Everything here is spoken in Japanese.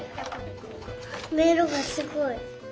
めいろがすごい。